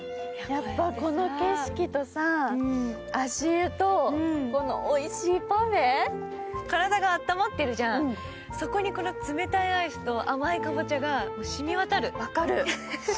この景色とさ、足湯と、おいしいパフェ、体があったまってるじゃん、そこにこの冷たいアイスと甘いかぼちゃが染み渡る。